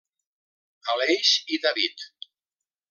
Aleix i David.